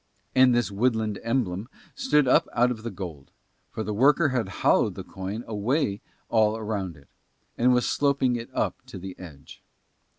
And this woodland emblem stood up out of the gold, for the worker had hollowed the coin away all around it, and was sloping it up to the edge.